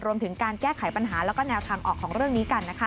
รวมถึงการแก้ไขปัญหาแล้วก็แนวทางออกของเรื่องนี้กันนะคะ